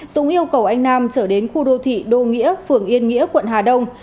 dũng yêu cầu anh nam trở đến khu đô thị đô nghĩa phường yên nghĩa quận hà đông